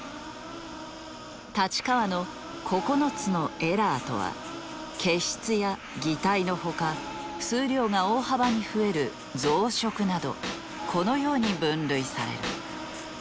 太刀川の９つのエラーとは欠失や擬態の他数量が大幅に増える増殖などこのように分類される。